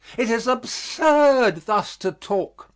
It is absurd thus to talk.